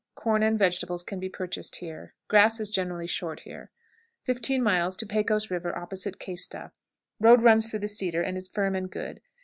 Corn and vegetables can be purchased here. Grass is generally short here. 15. Pecos River opposite Questa. Road runs through the cedar, and is firm and good.